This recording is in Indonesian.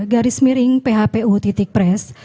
dua garis miring phpu pres